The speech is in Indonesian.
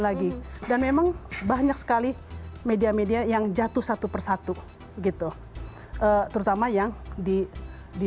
lagi dan memang banyak sekali media media yang jatuh satu persatu gitu terutama yang di